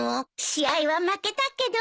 試合は負けたけど。